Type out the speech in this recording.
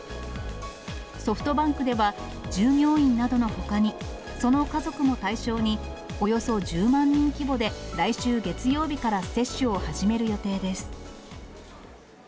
ソフトバンクでは、従業員などのほかに、その家族も対象に、およそ１０万人規模で来週月曜日から接種を始める予定です。